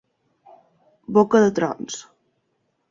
Boca de trons.